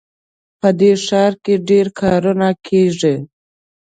په دې ښار کې ډېر کارونه کیږي